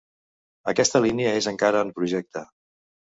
Aquesta línia és encara en projecte.